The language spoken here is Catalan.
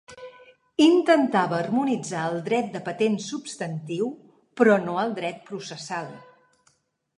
Intentava harmonitzar el dret de patents substantiu, però no el dret processal.